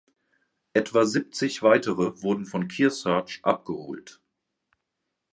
Etwa siebzig weitere wurden von „Kearsarge“ abgeholt.